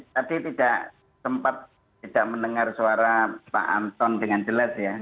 tadi tidak sempat tidak mendengar suara pak anton dengan jelas ya